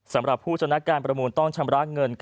สำหรับผู้ชนะการประมูลต้องชำระเงิน